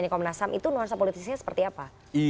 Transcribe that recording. komnas ham itu nuansa politisnya seperti apa